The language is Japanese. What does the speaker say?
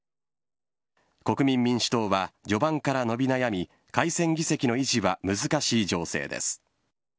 国民民主党は序盤から伸び悩み改選議席の維持は難しい情勢です。